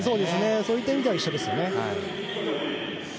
そういった意味では一緒ですね。